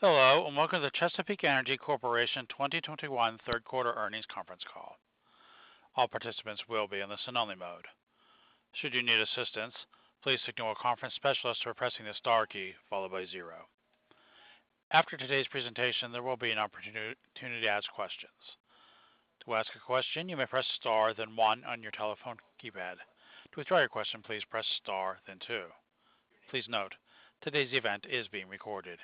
Hello, and Welcome to the Chesapeake Energy Corporation 2021 third quarter earnings conference call. All participants will be in listen-only mode. Should you need assistance, please signal a conference specialist by pressing the star key followed by zero. After today's presentation, there will be an opportunity to ask questions. To ask a question, you may press star then one on your telephone keypad. To withdraw your question, please press star then two. Please note, today's event is being recorded.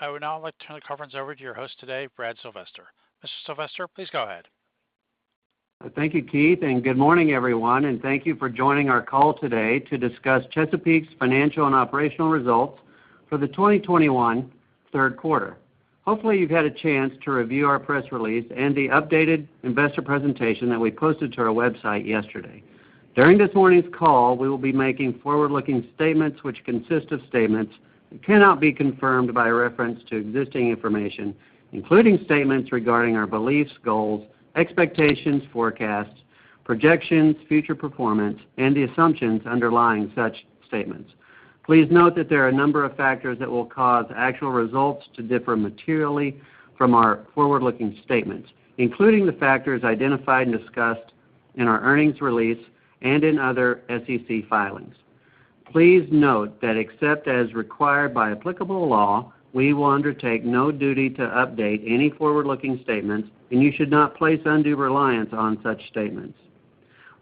I would now like to turn the conference over to your host today, Brad Sylvester. Mr. Sylvester, please go ahead. Thank you, Keith, and good morning, everyone, and thank you for joining our call today to discuss Chesapeake's financial and operational results for the 2021 third quarter. Hopefully, you've had a chance to review our press release and the updated investor presentation that we posted to our website yesterday. During this morning's call, we will be making forward-looking statements which consist of statements that cannot be confirmed by reference to existing information, including statements regarding our beliefs, goals, expectations, forecasts, projections, future performance, and the assumptions underlying such statements. Please note that there are a number of factors that will cause actual results to differ materially from our forward-looking statements, including the factors identified and discussed in our earnings release and in other SEC filings. Please note that except as required by applicable law, we will undertake no duty to update any forward-looking statements, and you should not place undue reliance on such statements.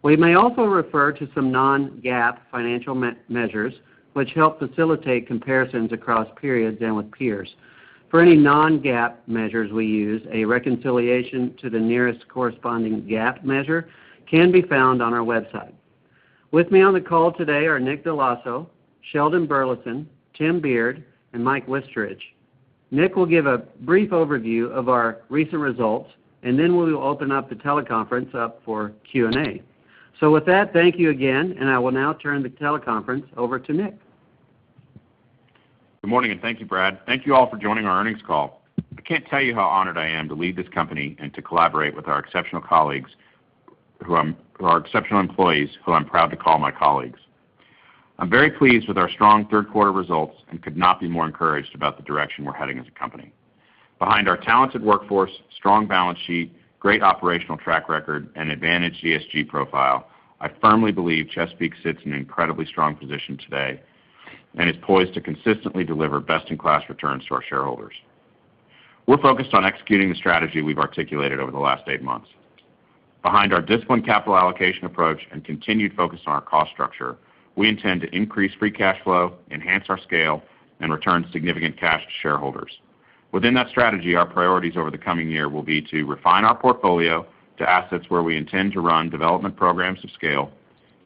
We may also refer to some non-GAAP financial measures which help facilitate comparisons across periods and with peers. For any non-GAAP measures we use, a reconciliation to the nearest corresponding GAAP measure can be found on our website. With me on the call today are Domenic Dell'Osso, Sheldon Burleson, Tim Beard, and Mike Wichterich. Nick will give a brief overview of our recent results, and then we will open up the teleconference up for Q&A. With that, thank you again, and I will now turn the teleconference over to Nick. Good morning, and thank you, Brad. Thank you all for joining our earnings call. I can't tell you how honored I am to lead this company and to collaborate with our exceptional colleagues who are exceptional employees who I'm proud to call my colleagues. I'm very pleased with our strong third quarter results and could not be more encouraged about the direction we're heading as a company. Behind our talented workforce, strong balance sheet, great operational track record, and advantage ESG profile, I firmly believe Chesapeake sits in an incredibly strong position today and is poised to consistently deliver best-in-class returns to our shareholders. We're focused on executing the strategy we've articulated over the last eight months. Behind our disciplined capital allocation approach and continued focus on our cost structure, we intend to increase free cash flow, enhance our scale, and return significant cash to shareholders. Within that strategy, our priorities over the coming year will be to refine our portfolio to assets where we intend to run development programs to scale,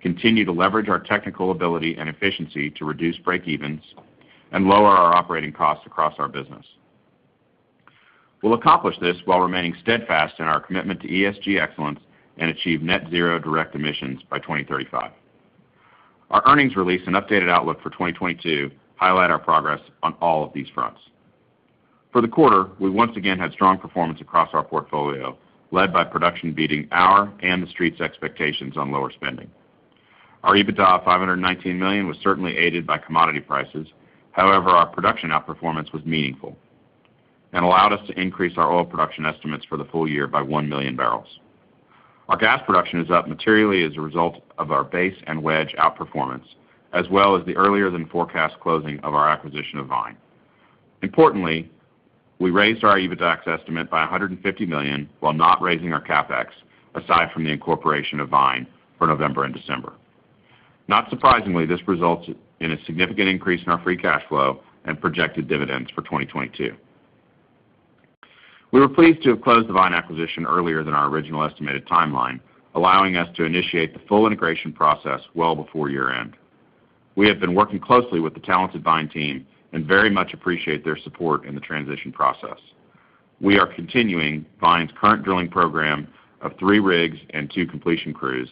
continue to leverage our technical ability and efficiency to reduce break evens, and lower our operating costs across our business. We'll accomplish this while remaining steadfast in our commitment to ESG excellence and achieve net zero direct emissions by 2035. Our earnings release and updated outlook for 2022 highlight our progress on all of these fronts. For the quarter, we once again had strong performance across our portfolio, led by production beating ours and the Street's expectations on lower spending. Our EBITDA of $519 million was certainly aided by commodity prices. However, our production outperformance was meaningful and allowed us to increase our oil production estimates for the full year by one million barrels. Our gas production is up materially as a result of our base and wedge outperformance, as well as the earlier than forecast closing of our acquisition of Vine. Importantly, we raised our EBITDAX estimate by $150 million while not raising our CapEx, aside from the incorporation of Vine for November and December. Not surprisingly, this results in a significant increase in our free cash flow and projected dividends for 2022. We were pleased to have closed the Vine acquisition earlier than our original estimated timeline, allowing us to initiate the full integration process well before year-end. We have been working closely with the talented Vine team and very much appreciate their support in the transition process. We are continuing Vine's current drilling program of three rigs and two completion crews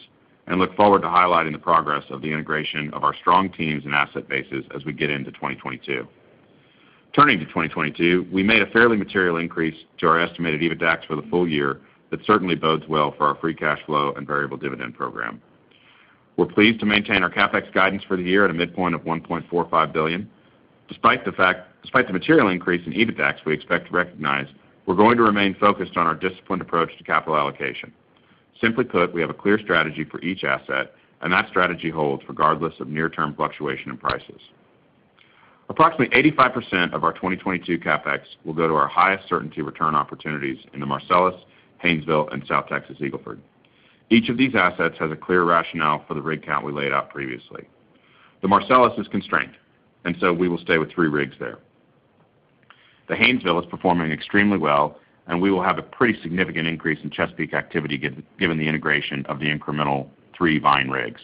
and look forward to highlighting the progress of the integration of our strong teams and asset bases as we get into 2022. Turning to 2022, we made a fairly material increase to our estimated EBITDAX for the full year that certainly bodes well for our free cash flow and variable dividend program. We're pleased to maintain our CapEx guidance for the year at a midpoint of $1.45 billion. Despite the material increase in EBITDAX we expect to recognize, we're going to remain focused on our disciplined approach to capital allocation. Simply put, we have a clear strategy for each asset, and that strategy holds regardless of near-term fluctuation in prices. Approximately 85% of our 2022 CapEx will go to our highest certainty return opportunities in the Marcellus, Haynesville, and South Texas Eagle Ford. Each of these assets has a clear rationale for the rig count we laid out previously. The Marcellus is constrained, and so we will stay with three rigs there. The Haynesville is performing extremely well, and we will have a pretty significant increase in Chesapeake activity given the integration of the incremental three Vine rigs.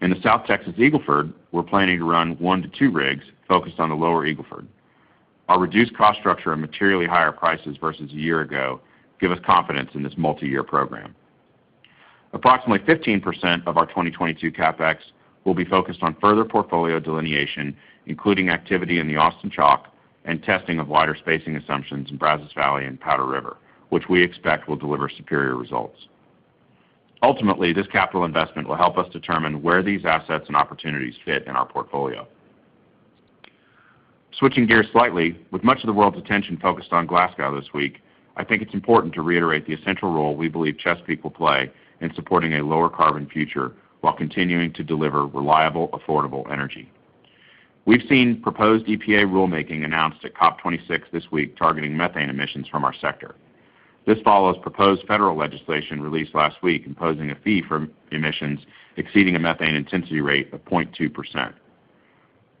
In the South Texas Eagle Ford, we're planning to run one-two rigs focused on the lower Eagle Ford. Our reduced cost structure and materially higher prices versus a year ago give us confidence in this multi-year program. Approximately 15% of our 2022 CapEx will be focused on further portfolio delineation, including activity in the Austin Chalk and testing of wider spacing assumptions in Brazos Valley and Powder River, which we expect will deliver superior results. Ultimately, this capital investment will help us determine where these assets and opportunities fit in our portfolio. Switching gears slightly, with much of the world's attention focused on Glasgow this week, I think it's important to reiterate the essential role we believe Chesapeake will play in supporting a lower carbon future while continuing to deliver reliable, affordable energy. We've seen proposed EPA rulemaking announced at COP26 this week targeting methane emissions from our sector. This follows proposed federal legislation released last week imposing a fee from emissions exceeding a methane intensity rate of 0.2%.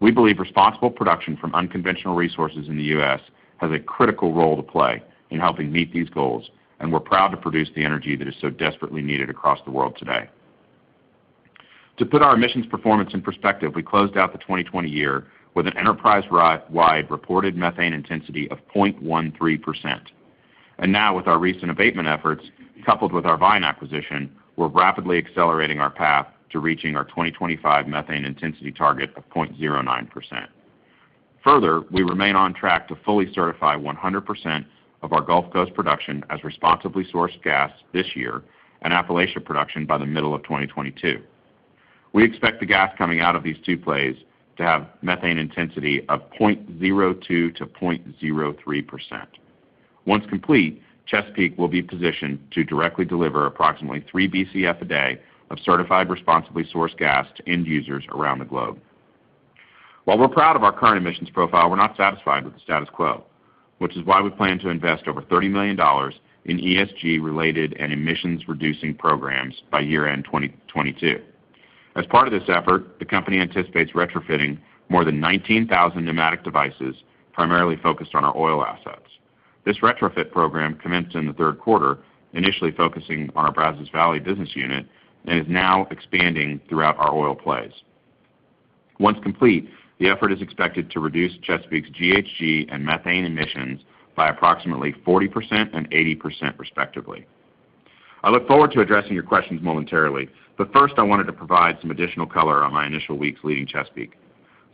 We believe responsible production from unconventional resources in the U.S. has a critical role to play in helping meet these goals, and we're proud to produce the energy that is so desperately needed across the world today. To put our emissions performance in perspective, we closed out the 2020 year with an enterprise-wide reported methane intensity of 0.13%. Now with our recent abatement efforts, coupled with our Vine acquisition, we're rapidly accelerating our path to reaching our 2025 methane intensity target of 0.09%. Further, we remain on track to fully certify 100% of our Gulf Coast production as responsibly sourced gas this year and Appalachia production by the middle of 2022. We expect the gas coming out of these two plays to have methane intensity of 0.02%-0.03%. Once complete, Chesapeake will be positioned to directly deliver approximately three Bcf a day of certified responsibly sourced gas to end users around the globe. While we're proud of our current emissions profile, we're not satisfied with the status quo, which is why we plan to invest over $30 million in ESG-related and emissions-reducing programs by year-end 2022. As part of this effort, the company anticipates retrofitting more than 19,000 pneumatic devices, primarily focused on our oil assets. This retrofit program commenced in the third quarter, initially focusing on our Brazos Valley business unit and is now expanding throughout our oil plays. Once complete, the effort is expected to reduce Chesapeake's GHG and methane emissions by approximately 40% and 80% respectively. I look forward to addressing your questions momentarily, but first, I wanted to provide some additional color on my initial weeks leading Chesapeake.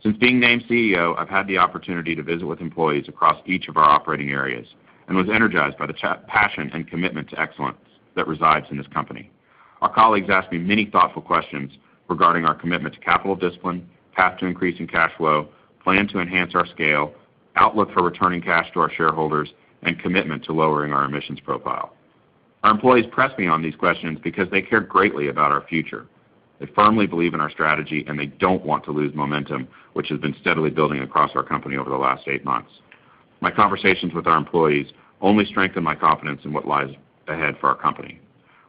Since being named CEO, I've had the opportunity to visit with employees across each of our operating areas and was energized by the passion and commitment to excellence that resides in this company. Our colleagues asked me many thoughtful questions regarding our commitment to capital discipline, path to increase in cash flow, plan to enhance our scale, outlook for returning cash to our shareholders, and commitment to lowering our emissions profile. Our employees pressed me on these questions because they care greatly about our future. They firmly believe in our strategy, and they don't want to lose momentum, which has been steadily building across our company over the last eight months. My conversations with our employees only strengthen my confidence in what lies ahead for our company.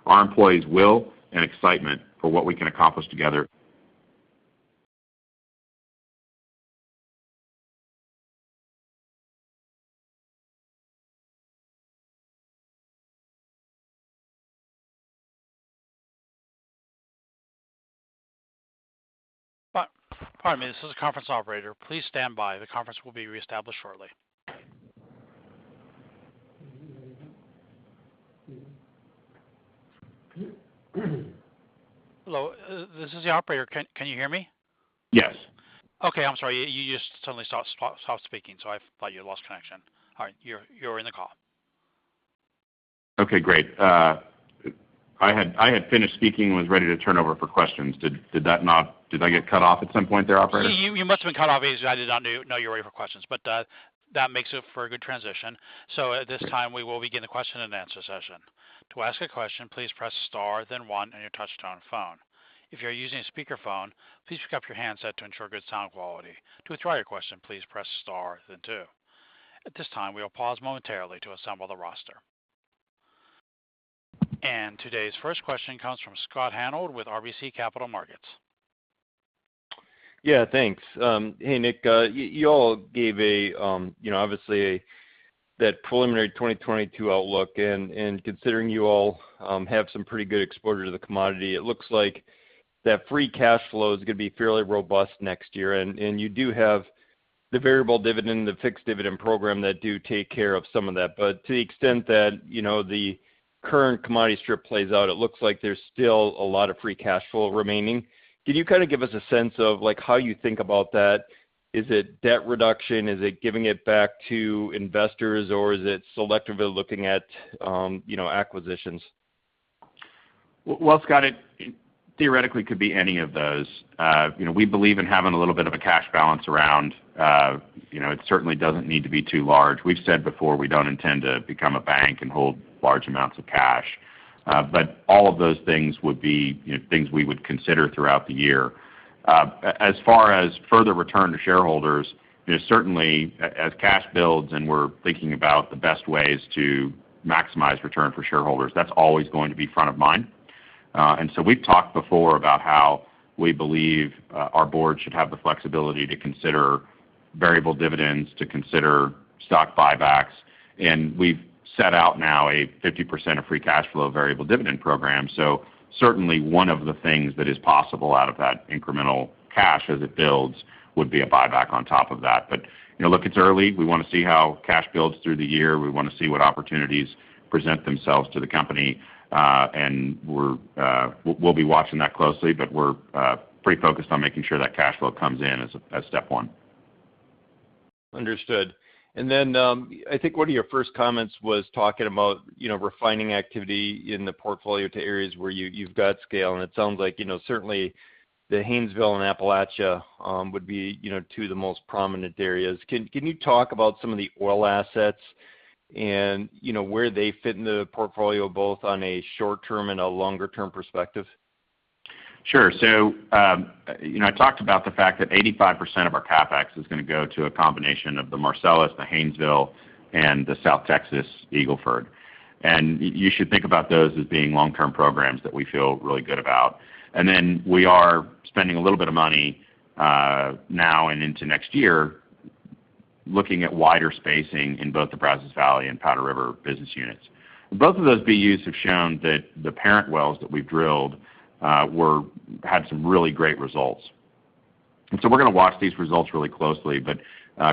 Our employees' will and excitement for what we can accomplish together. This is the conference operator. Please stand by. The conference will be reestablished shortly. Hello, this is the operator. Can, can you hear me? Yes. Okay, I'm sorry. You just suddenly stopped speaking, so I thought you lost connection. All right, you're in the call. Okay, great. I had finished speaking, was ready to turn over for questions. Did I get cut off at some point there, operator? You must have been cut off. Obviously, I did not know you were ready for questions. That makes for a good transition. At this time, we will begin the question-and-answer session. To ask a question, please press star then one on your touchtone phone. If you're using a speakerphone, please pick up your handset to ensure good sound quality. To withdraw your question, please press star then two. At this time, we will pause momentarily to assemble the roster. Today's first question comes from Scott Hanold with RBC Capital Markets. Yeah, thanks. Hey, Nick. You all gave, you know, obviously that preliminary 2022 outlook. Considering you all have some pretty good exposure to the commodity, it looks like that free cash flow is gonna be fairly robust next year. You do have the variable dividend, the fixed dividend program that do take care of some of that. To the extent that, you know, the current commodity strip plays out, it looks like there's still a lot of free cash flow remaining. Can you kind of give us a sense of, like, how you think about that? Is it debt reduction? Is it giving it back to investors, or is it selectively looking at, you know, acquisitions? Well, Scott, it theoretically could be any of those. You know, we believe in having a little bit of a cash balance around. You know, it certainly doesn't need to be too large. We've said before, we don't intend to become a bank and hold large amounts of cash. But all of those things would be, you know, things we would consider throughout the year. As far as further return to shareholders, you know, certainly as cash builds and we're thinking about the best ways to maximize return for shareholders, that's always going to be front of mind. We've talked before about how we believe our board should have the flexibility to consider variable dividends, to consider stock buybacks. We've set out now a 50% of free cash flow variable dividend program. Certainly one of the things that is possible out of that incremental cash as it builds would be a buyback on top of that. You know, look, it's early. We wanna see how cash builds through the year. We wanna see what opportunities present themselves to the company. We'll be watching that closely. We're pretty focused on making sure that cash flow comes in as step one. Understood. Then, I think one of your first comments was talking about, you know, refining activity in the portfolio to areas where you've got scale, and it sounds like, you know, certainly the Haynesville and Appalachia would be, you know, two of the most prominent areas. Can you talk about some of the oil assets and, you know, where they fit in the portfolio, both on a short-term and a longer term perspective? Sure. You know, I talked about the fact that 85% of our CapEx is gonna go to a combination of the Marcellus, the Haynesville, and the South Texas Eagle Ford. You should think about those as being long-term programs that we feel really good about. Then we are spending a little bit of money now and into next year, looking at wider spacing in both the Brazos Valley and Powder River business units. Both of those BUs have shown that the parent wells that we've drilled had some really great results. We're gonna watch these results really closely.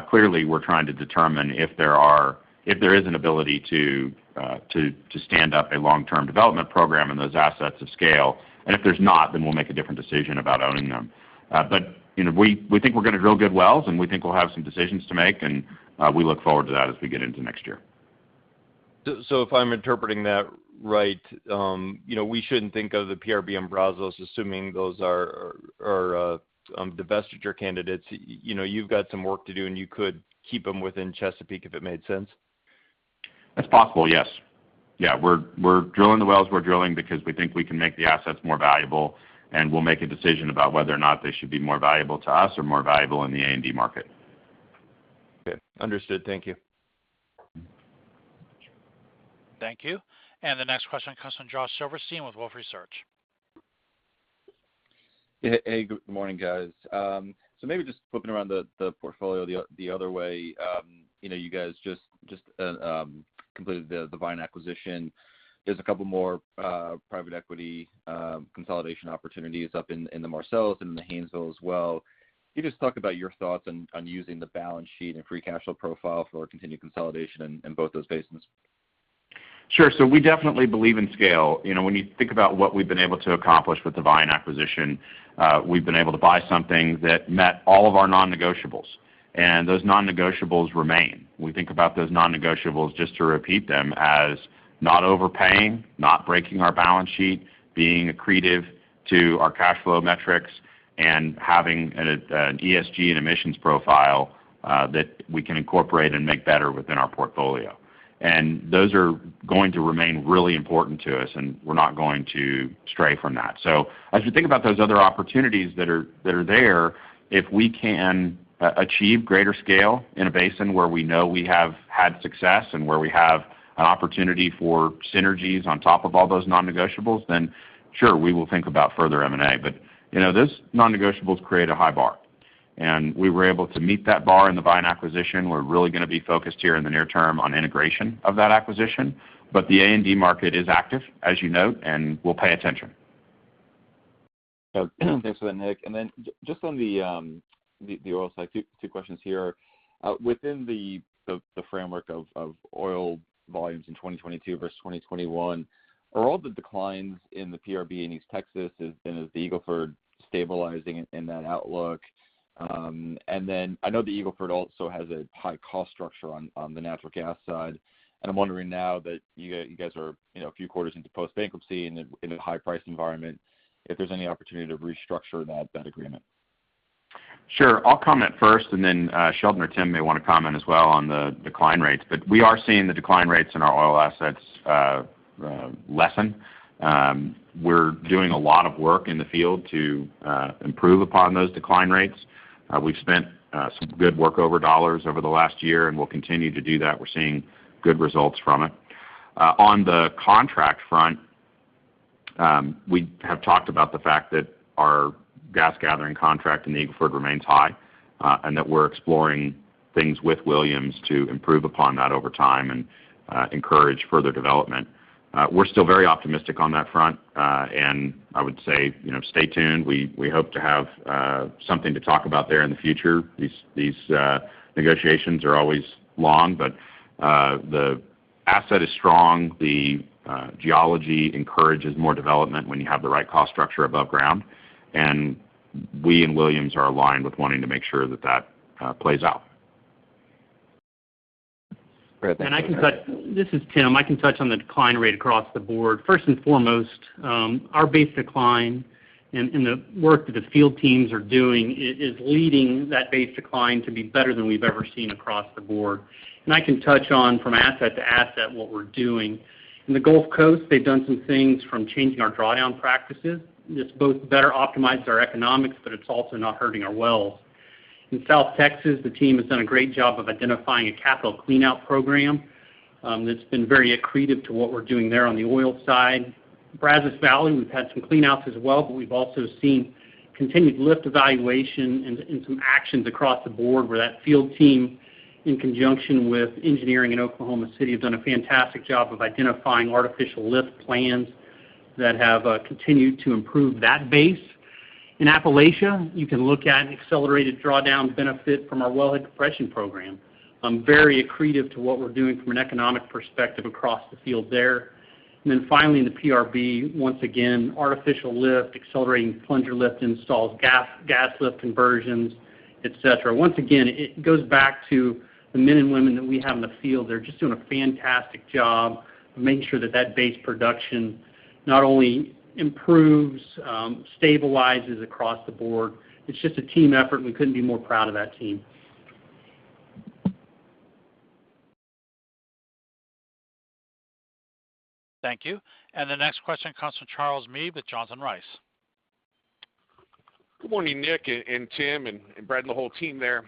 Clearly, we're trying to determine if there is an ability to stand up a long-term development program and those assets of scale. If there's not, then we'll make a different decision about owning them. You know, we think we're gonna drill good wells, and we think we'll have some decisions to make, and we look forward to that as we get into next year. If I'm interpreting that right, you know, we shouldn't think of the PRB and Brazos assuming those are divestiture candidates. You know, you've got some work to do, and you could keep them within Chesapeake if it made sense. That's possible, yes. Yeah, we're drilling the wells we're drilling because we think we can make the assets more valuable, and we'll make a decision about whether or not they should be more valuable to us or more valuable in the A&D market. Okay. Understood. Thank you. Thank you. The next question comes from Josh Silverstein with Wolfe Research. Hey, good morning, guys. So maybe just flipping around the portfolio the other way, you know, you guys just completed the Vine acquisition. There's a couple more private equity consolidation opportunities up in the Marcellus and in the Haynesville as well. Can you just talk about your thoughts on using the balance sheet and free cash flow profile for continued consolidation in both those basins? Sure. We definitely believe in scale. You know, when you think about what we've been able to accomplish with the Vine acquisition, we've been able to buy something that met all of our non-negotiables, and those non-negotiables remain. We think about those non-negotiables just to repeat them as not overpaying, not breaking our balance sheet, being accretive to our cash flow metrics, and having an ESG and emissions profile that we can incorporate and make better within our portfolio. Those are going to remain really important to us, and we're not going to stray from that. As you think about those other opportunities that are there, if we can achieve greater scale in a basin where we know we have had success and where we have an opportunity for synergies on top of all those non-negotiables, then sure, we will think about further M&A. You know, those non-negotiables create a high bar, and we were able to meet that bar in the Vine acquisition. We're really gonna be focused here in the near term on integration of that acquisition. The A&D market is active, as you note, and we'll pay attention. Thanks for that, Nick. Then just on the oil side, two questions here. Within the framework of oil volumes in 2022 versus 2021, are all the declines in the PRB in East Texas has been the Eagle Ford stabilizing in that outlook? I know the Eagle Ford also has a high cost structure on the natural gas side. I'm wondering now that you guys are, you know, a few quarters into post-bankruptcy in a high price environment, if there's any opportunity to restructure that agreement. Sure. I'll comment first, and then Sheldon or Tim may wanna comment as well on the decline rates. We are seeing the decline rates in our oil assets lessen. We're doing a lot of work in the field to improve upon those decline rates. We've spent some good workover dollars over the last year, and we'll continue to do that. We're seeing good results from it. On the contract front, we have talked about the fact that our gas gathering contract in the Eagle Ford remains high, and that we're exploring things with Williams to improve upon that over time and encourage further development. We're still very optimistic on that front. I would say, you know, stay tuned. We hope to have something to talk about there in the future. These negotiations are always long, but the asset is strong. The geology encourages more development when you have the right cost structure above ground. We and Williams are aligned with wanting to make sure that plays out. Great. Thank you. I can touch. This is Tim. I can touch on the decline rate across the board. First and foremost, our base decline and the work that the field teams are doing is leading that base decline to be better than we've ever seen across the board. I can touch on from asset to asset what we're doing. In the Gulf Coast, they've done some things from changing our drawdown practices. It's both better optimized our economics, but it's also not hurting our wells. In South Texas, the team has done a great job of identifying a capital cleanout program, that's been very accretive to what we're doing there on the oil side. Brazos Valley, we've had some cleanouts as well, but we've also seen continued lift evaluation and some actions across the board where that field team, in conjunction with engineering in Oklahoma City, have done a fantastic job of identifying artificial lift plans that have continued to improve that base. In Appalachia, you can look at accelerated drawdowns benefit from our well head compression program, very accretive to what we're doing from an economic perspective across the field there. Then finally in the PRB, once again, artificial lift, accelerating plunger lift installs, gas lift conversions, et cetera. Once again, it goes back to the men and women that we have in the field. They're just doing a fantastic job making sure that base production not only improves, stabilizes across the board. It's just a team effort, and we couldn't be more proud of that team. Thank you. The next question comes from Charles Meade with Johnson Rice. Good morning, Nick and Tim and Brad and the whole team there.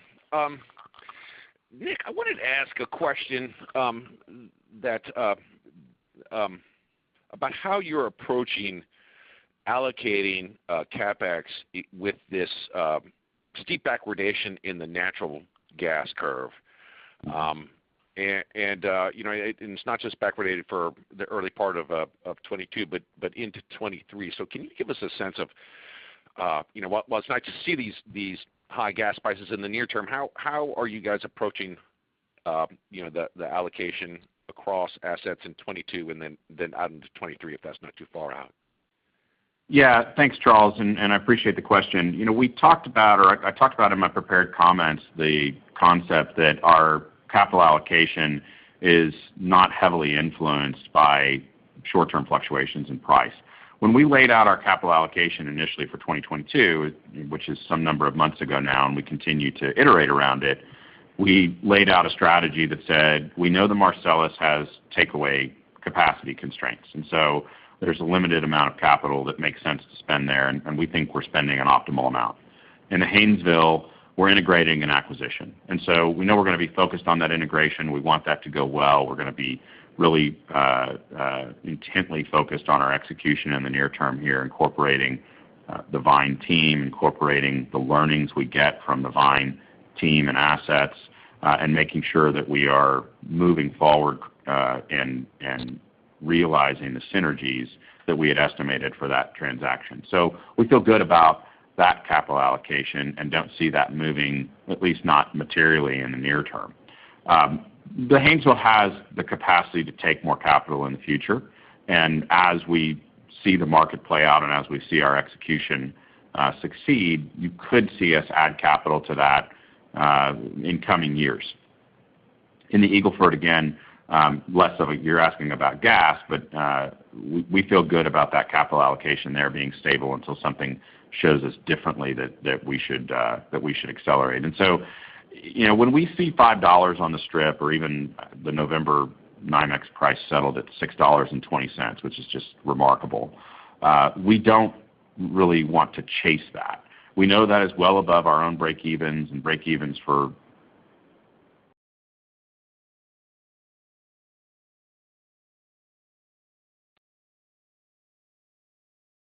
Nick, I wanted to ask a question about how you're approaching allocating CapEx with this steep backwardation in the natural gas curve. You know, it's not just backward dated for the early part of 2022 but into 2023. Can you give us a sense of you know, while it's nice to see these high gas prices in the near term, how are you guys approaching you know, the allocation across assets in 2022 and then out into 2023, if that's not too far out? Yeah. Thanks, Charles, and I appreciate the question. You know, we talked about, or I talked about in my prepared comments the concept that our capital allocation is not heavily influenced by short-term fluctuations in price. When we laid out our capital allocation initially for 2022, which is some number of months ago now, and we continue to iterate around it, we laid out a strategy that said, we know the Marcellus has takeaway capacity constraints. There's a limited amount of capital that makes sense to spend there, and we think we're spending an optimal amount. In the Haynesville, we're integrating an acquisition. We want that to go well. We're gonna be really intently focused on our execution in the near term here, incorporating the VINE team, incorporating the learnings we get from the VINE team and assets, and making sure that we are moving forward, and realizing the synergies that we had estimated for that transaction. We feel good about that capital allocation and don't see that moving, at least not materially in the near term. The Haynesville has the capacity to take more capital in the future. As we see the market play out and as we see our execution succeed, you could see us add capital to that in coming years. In the Eagle Ford, again, less of a. You're asking about gas, but we feel good about that capital allocation there being stable until something shows us differently that we should accelerate. You know, when we see $5 on the strip or even the November NYMEX price settled at $6.20, which is just remarkable, we don't really want to chase that. We know that is well above our own break evens and break evens for. Nick? Nick? Yeah,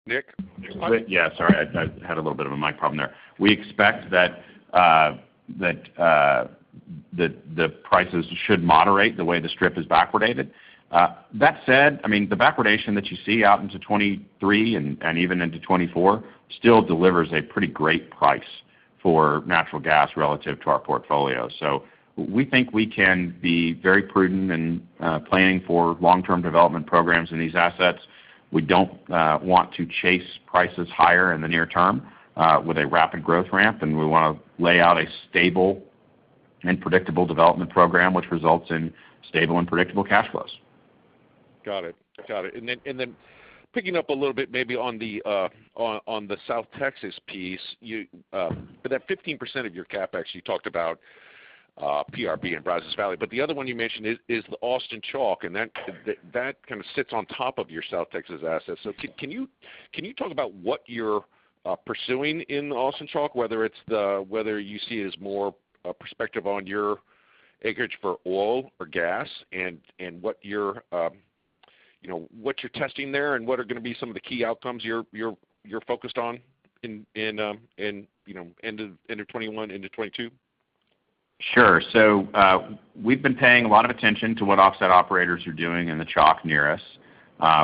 sorry. I had a little bit of a mic problem there. We expect that the prices should moderate the way the strip is backward dated. That said, I mean, the backwardation that you see out into 2023 and even into 2024 still delivers a pretty great price for natural gas relative to our portfolio. We think we can be very prudent in planning for long-term development programs in these assets. We don't want to chase prices higher in the near term with a rapid growth ramp, and we want to lay out a stable and predictable development program which results in stable and predictable cash flows. Got it. Picking up a little bit maybe on the South Texas piece, for that 15% of your CapEx, you talked about PRB and Brazos Valley, but the other one you mentioned is the Austin Chalk, and that kind of sits on top of your South Texas assets. Can you talk about what you're pursuing in the Austin Chalk, whether you see it as more a perspective on your acreage for oil or gas and what you're you know testing there and what are gonna be some of the key outcomes you're focused on in you know end of 2021 into 2022? Sure. We've been paying a lot of attention to what offset operators are doing in the Chalk near us.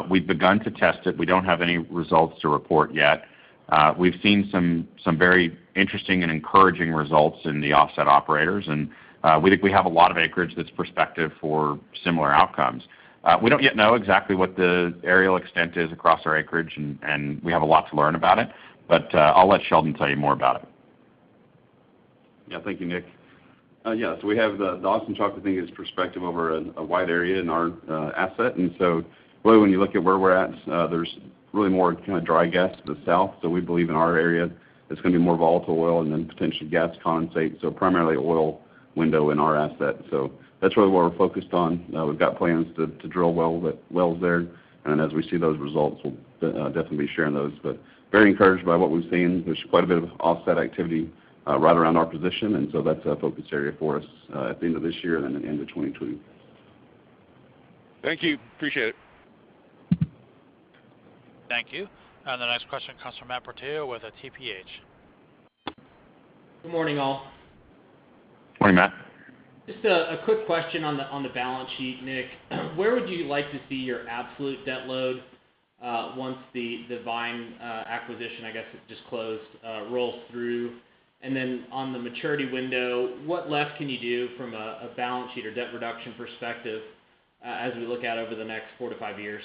We've begun to test it. We don't have any results to report yet. We've seen some very interesting and encouraging results in the offset operators, and we think we have a lot of acreage that's prospective for similar outcomes. We don't yet know exactly what the areal extent is across our acreage and we have a lot to learn about it, but I'll let Sheldon tell you more about it. Yeah. Thank you, Nick. Yeah. We have the Austin Chalk, we think, is prospective over a wide area in our asset. Really when you look at where we're at, there's really more kind of dry gas to the south. We believe in our area it's gonna be more volatile oil and then potentially gas condensate. Primarily oil window in our asset. That's really what we're focused on. We've got plans to drill wells there. Then as we see those results, we'll definitely be sharing those. Very encouraged by what we've seen. There's quite a bit of offset activity right around our position, and that's a focus area for us at the end of this year and in the end of 2022. Thank you. Appreciate it. Thank you. The next question comes from Matthew Portillo with TPH. Good morning, all. Morning, Matt. Just a quick question on the balance sheet, Nick. Where would you like to see your absolute debt load once the Vine acquisition, I guess, it just closed, rolls through. Then on the maturity window, what else can you do from a balance sheet or debt reduction perspective as we look out over the next four-five years?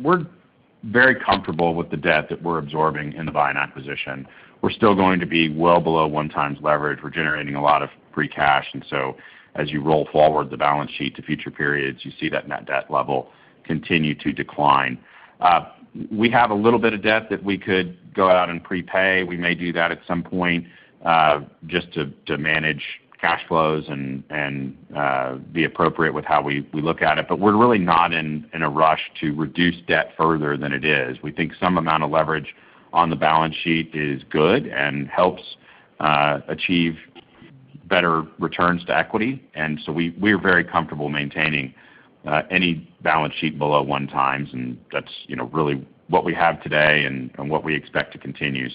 We're very comfortable with the debt that we're absorbing in the Vine acquisition. We're still going to be well below 1x leverage. We're generating a lot of free cash. As you roll forward the balance sheet to future periods, you see that net debt level continue to decline. We have a little bit of debt that we could go out and prepay. We may do that at some point, just to manage cash flows and be appropriate with how we look at it. We're really not in a rush to reduce debt further than it is. We think some amount of leverage on the balance sheet is good and helps achieve better returns to equity. We're very comfortable maintaining any balance sheet below one times, and that's, you know, really what we have today and what we expect to continue.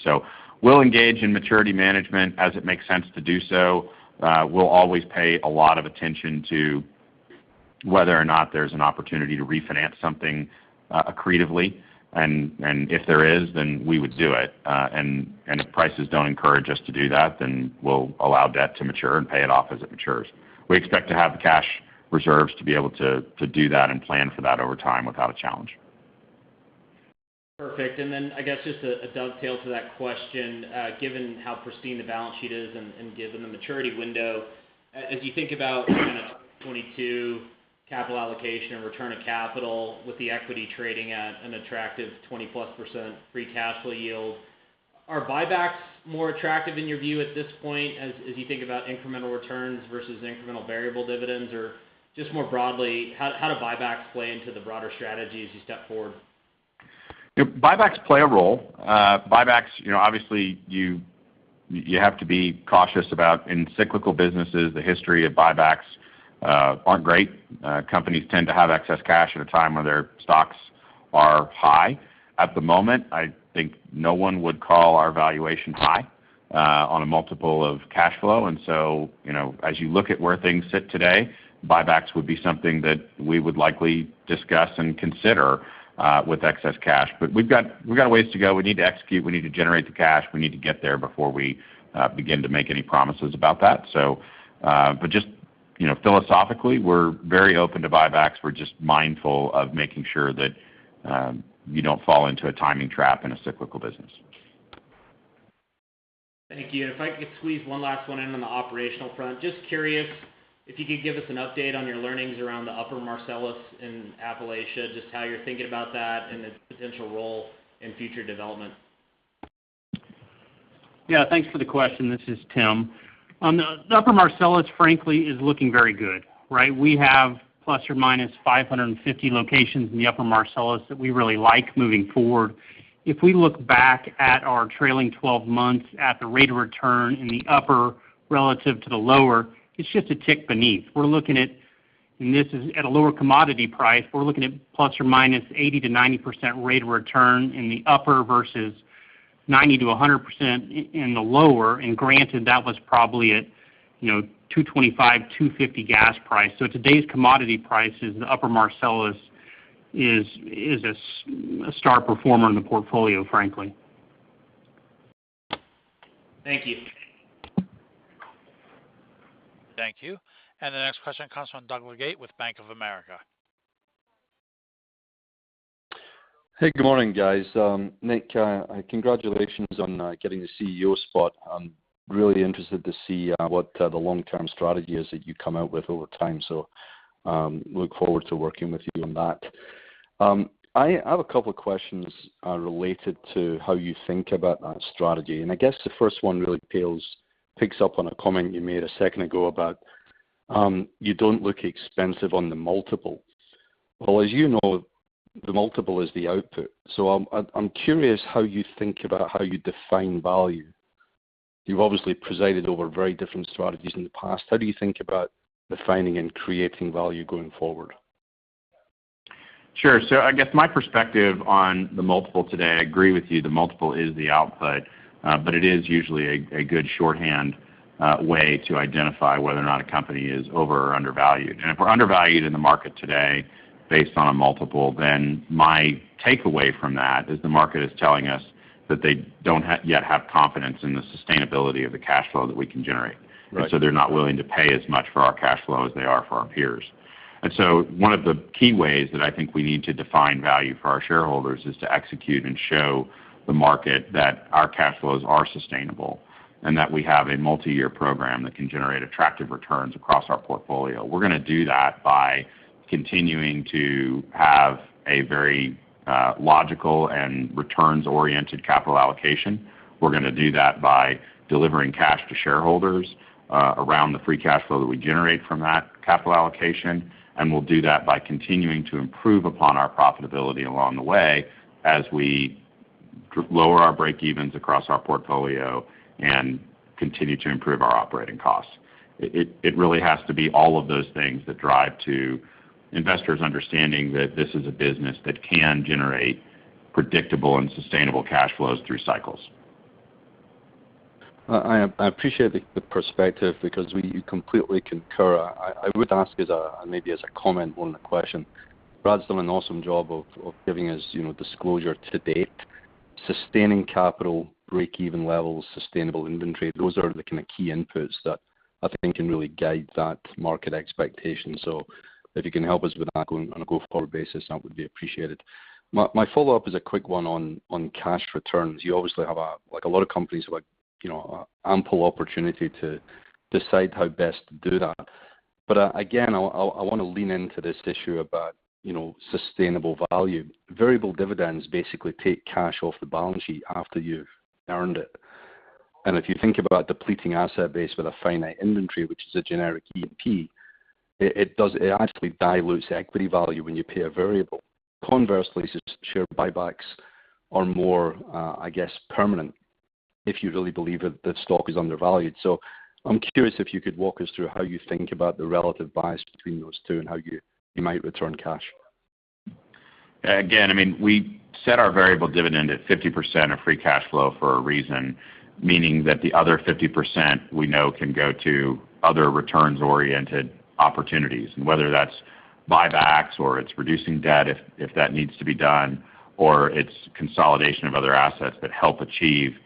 We'll engage in maturity management as it makes sense to do so. We'll always pay a lot of attention to whether or not there's an opportunity to refinance something creatively. And if there is, then we would do it. If prices don't encourage us to do that, then we'll allow debt to mature and pay it off as it matures. We expect to have the cash reserves to be able to do that and plan for that over time without a challenge. Perfect. Then I guess just a dovetail to that question, given how pristine the balance sheet is and given the maturity window, as you think about kind of 2022 capital allocation and return of capital with the equity trading at an attractive 20% free cash flow yield, are buybacks more attractive in your view at this point as you think about incremental returns versus incremental variable dividends? Or just more broadly, how do buybacks play into the broader strategy as you step forward? Buybacks play a role. Buybacks, you know, obviously, you have to be cautious about in cyclical businesses. The history of buybacks aren't great. Companies tend to have excess cash at a time when their stocks are high. At the moment, I think no one would call our valuation high, on a multiple of cash flow. You know, as you look at where things sit today, buybacks would be something that we would likely discuss and consider, with excess cash. We've got ways to go. We need to execute. We need to generate the cash. We need to get there before we begin to make any promises about that. Just, you know, philosophically, we're very open to buybacks. We're just mindful of making sure that, you don't fall into a timing trap in a cyclical business. Thank you. If I could squeeze one last one in on the operational front. Just curious if you could give us an update on your learnings around the Upper Marcellus in Appalachia, just how you're thinking about that and the potential role in future development. Yeah. Thanks for the question. This is Tim. The Upper Marcellus, frankly, is looking very good, right? We have ±550 locations in the Upper Marcellus that we really like moving forward. If we look back at our trailing twelve months at the rate of return in the upper relative to the lower, it's just a tick beneath. We're looking at, and this is at a lower commodity price. We're looking at ±80%-90% rate of return in the upper versus 90%-100% in the lower. Granted, that was probably at, you know, $2.25, $2.50 gas price. So today's commodity prices in the Upper Marcellus is a star performer in the portfolio, frankly. Thank you. Thank you. The next question comes from Douglas Leggate with Bank of America. Hey, good morning, guys. Nick, congratulations on getting the CEO spot. I'm really interested to see what the long-term strategy is that you come out with over time. Look forward to working with you on that. I have a couple of questions related to how you think about that strategy, and I guess the first one really picks up on a comment you made a second ago about you don't look expensive on the multiple. Well, as you know, the multiple is the output. I'm curious how you think about how you define value. You've obviously presided over very different strategies in the past. How do you think about defining and creating value going forward? Sure. I guess my perspective on the multiple today, I agree with you, the multiple is the output, but it is usually a good shorthand way to identify whether or not a company is over or undervalued. If we're undervalued in the market today based on a multiple, then my takeaway from that is the market is telling us that they don't yet have confidence in the sustainability of the cash flow that we can generate. Right. They’re not willing to pay as much for our cash flow as they are for our peers. One of the key ways that I think we need to define value for our shareholders is to execute and show the market that our cash flows are sustainable and that we have a multi-year program that can generate attractive returns across our portfolio. We're gonna do that by continuing to have a very logical and returns-oriented capital allocation. We're gonna do that by delivering cash to shareholders around the free cash flow that we generate from that capital allocation, and we'll do that by continuing to improve upon our profitability along the way as we lower our breakevens across our portfolio and continue to improve our operating costs. It really has to be all of those things that drive to investors understanding that this is a business that can generate predictable and sustainable cash flows through cycles. I appreciate the perspective because you completely concur. I would ask maybe as a comment on the question. Brad's done an awesome job of giving us, you know, disclosure to date, sustaining capital, break-even levels, sustainable inventory. Those are the kinda key inputs that I think can really guide that market expectation. If you can help us with that going on a go-forward basis, that would be appreciated. My follow-up is a quick one on cash returns. You obviously have, like a lot of companies, like, you know, ample opportunity to decide how best to do that. Again, I wanna lean into this issue about, you know, sustainable value. Variable dividends basically take cash off the balance sheet after you've earned it. If you think about depleting asset base with a finite inventory, which is a generic E&P, it actually dilutes equity value when you pay a variable. Conversely, share buybacks are more, I guess, permanent if you really believe that the stock is undervalued. I'm curious if you could walk us through how you think about the relative bias between those two and how you might return cash. Again, I mean, we set our variable dividend at 50% of free cash flow for a reason, meaning that the other 50% we know can go to other returns-oriented opportunities. Whether that's buybacks or it's reducing debt, if that needs to be done, or it's consolidation of other assets that help achieve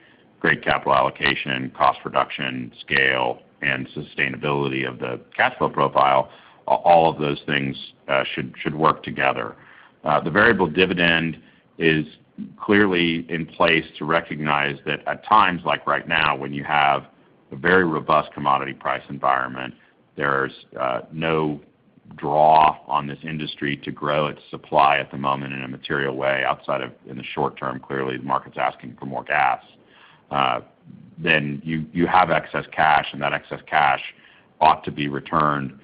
great capital allocation, cost reduction, scale, and sustainability of the cash flow profile, all of those things should work together. The variable dividend is clearly in place to recognize that at times like right now, when you have a very robust commodity price environment, there's no draw on this industry to grow its supply at the moment in a material way outside of in the short term. Clearly, the market's asking for more gas. Then you have excess cash, and that excess cash ought to be returned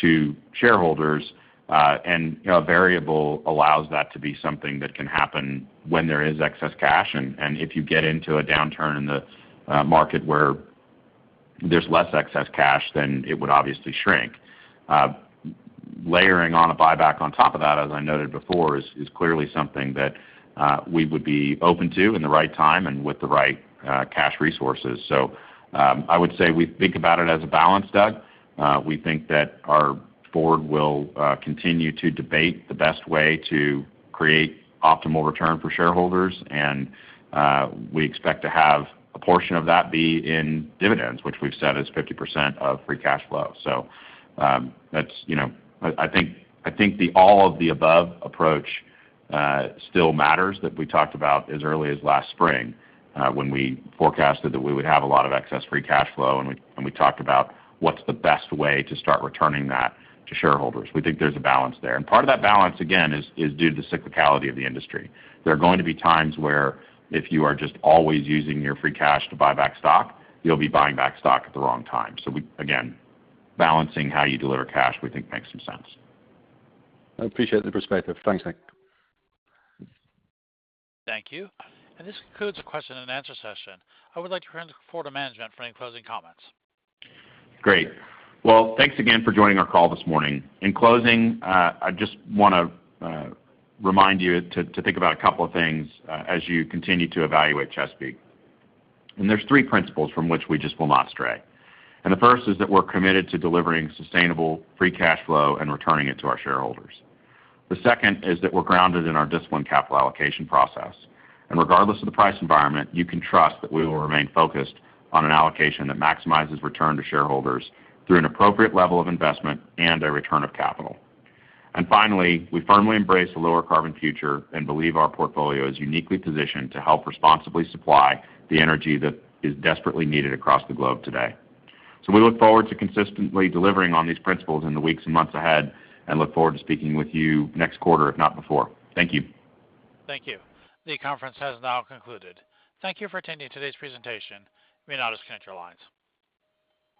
to shareholders. You know, a variable allows that to be something that can happen when there is excess cash. If you get into a downturn in the market where there's less excess cash, then it would obviously shrink. Layering on a buyback on top of that, as I noted before, is clearly something that we would be open to in the right time and with the right cash resources. I would say we think about it as a balance, Doug. We think that our board will continue to debate the best way to create optimal return for shareholders. We expect to have a portion of that be in dividends, which we've said is 50% of free cash flow. That's, you know, I think the all-of-the-above approach still matters, that we talked about as early as last spring, when we forecasted that we would have a lot of excess free cash flow, and we talked about what's the best way to start returning that to shareholders. We think there's a balance there. Part of that balance, again, is due to the cyclicality of the industry. There are going to be times where if you are just always using your free cash to buy back stock, you'll be buying back stock at the wrong time. We, again, balancing how you deliver cash, we think makes some sense. I appreciate the perspective. Thanks. Thank you. This concludes the question-and-answer session. I would like to turn the call to management for any closing comments. Great. Well, thanks again for joining our call this morning. In closing, I just wanna remind you to think about a couple of things as you continue to evaluate Chesapeake. There's three principles from which we just will not stray. The first is that we're committed to delivering sustainable free cash flow and returning it to our shareholders. The second is that we're grounded in our disciplined capital allocation process, and regardless of the price environment, you can trust that we will remain focused on an allocation that maximizes return to shareholders through an appropriate level of investment and a return of capital. Finally, we firmly embrace a lower carbon future and believe our portfolio is uniquely positioned to help responsibly supply the energy that is desperately needed across the globe today. We look forward to consistently delivering on these principles in the weeks and months ahead and look forward to speaking with you next quarter, if not before. Thank you. Thank you. The conference has now concluded. Thank you for attending today's presentation. You may now disconnect your lines.